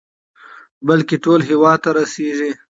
بلكې ټول هېواد ته ورسېږي.